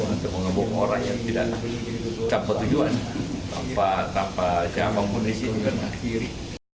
mau mengambil orang yang tidak tanpa tujuan tanpa jawabanku di sini